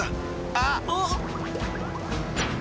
あっ。